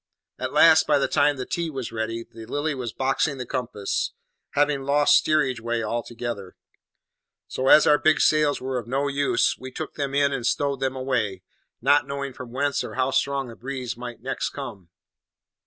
At last, by the time that tea was ready, the Lily was "boxing the compass," having lost steerage way altogether; so, as our big sails were no use, we took them in and stowed them away, not knowing from whence or how strong the breeze might next come.